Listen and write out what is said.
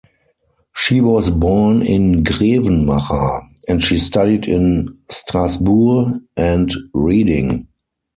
She was born in Grevenmacher, and she studied in Strasbourg and Reading.